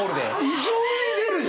異常に出るよ！